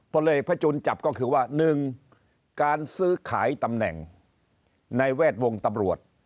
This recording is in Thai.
ผลเอกพระจุลจับก็คือว่า๑การซื้อขายตำแหน่งในแวดวงตำรวจ